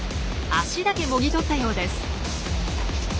脚だけもぎとったようです。